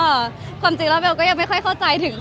ความจริงแล้วเบลก็ยังไม่ค่อยเข้าใจถึง